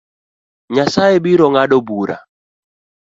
Nyasaye birongado bura